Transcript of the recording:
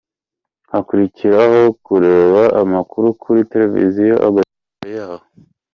Hakurikiraho kureba amakuru kuri Televiziyo Agaciro yaho.